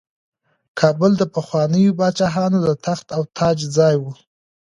کابل د پخوانیو پاچاهانو د تخت او تاج ځای و.